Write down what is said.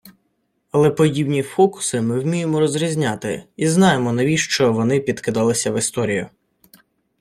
Але подібні фокуси ми вміємо розрізняти, і знаємо, навіщо вони підкидалися в історію